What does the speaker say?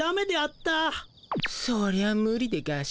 そりゃむりでガシ。